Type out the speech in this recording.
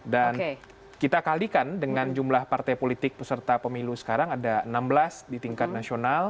dan kita kalikan dengan jumlah partai politik peserta pemilu sekarang ada enam belas di tingkat nasional